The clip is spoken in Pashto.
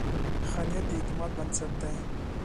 ښه نیت د اعتماد بنسټ دی.